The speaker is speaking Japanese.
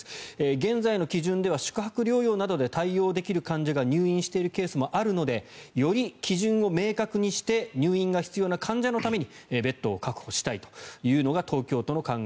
現在の基準では宿泊療養などで対応できる患者が入院しているケースもあるのでより基準を明確にして入院が必要な患者のためにベッドを確保したいというのが東京都の考え。